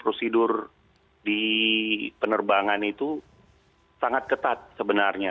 prosedur di penerbangan itu sangat ketat sebenarnya